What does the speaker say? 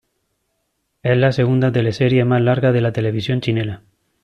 Es la segunda teleserie más larga de la televisión chilena.